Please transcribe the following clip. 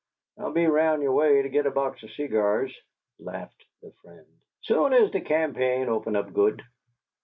"I'll be roun' yo' way to git a box o' SE gahs," laughed the friend, "soon ez de campaign open up good.